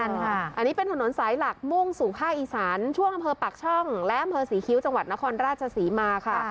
อันนี้เป็นถนนสายหลักมุ่งสู่ภาคอีสานช่วงอำเภอปากช่องและอำเภอศรีคิ้วจังหวัดนครราชศรีมาค่ะ